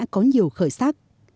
có nhiều khởi sát